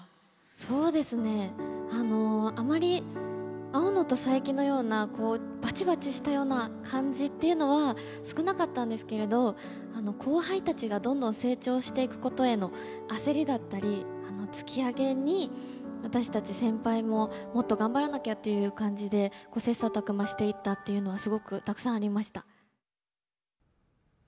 そうですねあのあまり青野と佐伯のようなこうバチバチしたような感じっていうのは少なかったんですけれど後輩たちがどんどん成長していくことへの焦りだったり突き上げに私たち先輩ももっと頑張らなきゃっていう感じでこう切磋琢磨していったっていうのはすごくたくさんありました。